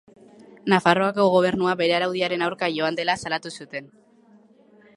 Nafarroako Gobernua bere araudiaren aurka joan dela salatu zuten.